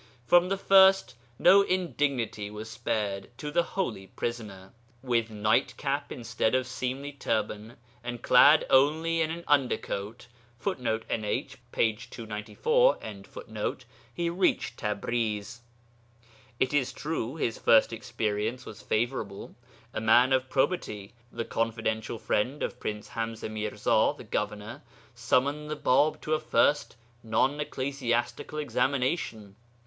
From the first no indignity was spared to the holy prisoner. With night cap instead of seemly turban, and clad only in an under coat, [Footnote: NH, p. 294.] he reached Tabriz. It is true, his first experience was favourable. A man of probity, the confidential friend of Prince Hamzé Mirza, the governor, summoned the Bāb to a first non ecclesiastical examination.